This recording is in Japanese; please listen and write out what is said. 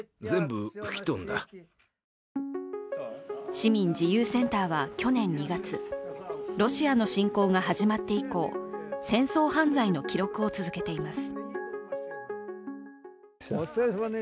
市民自由センターは去年２月、ロシアの侵攻が始まって以降戦争犯罪の記録を続けています。